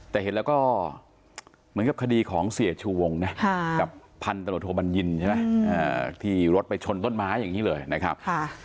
แต่เห็นแล้วก็เหมือนกับคดีของเสียชวงกับพันธุบันยินที่รถไปชนต้นไม้อย่างนี้เลยนะครับ